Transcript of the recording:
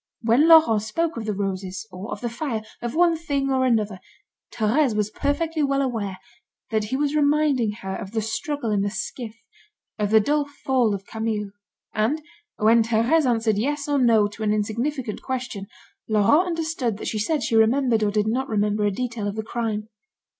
When Laurent spoke of the roses, or of the fire, of one thing or another, Thérèse was perfectly well aware that he was reminding her of the struggle in the skiff, of the dull fall of Camille; and, when Thérèse answered yes or no to an insignificant question, Laurent understood that she said she remembered or did not remember a detail of the crime.